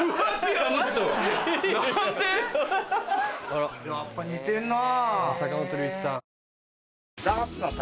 あら！やっぱ似てんな。